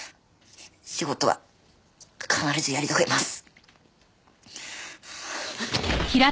仕事は必ずやり遂げます。